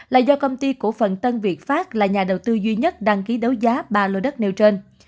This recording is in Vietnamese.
là do công ty cổ phần tân việt pháp là nhà đầu tư duy nhất đăng ký đấu giá ba lô đất nêu trên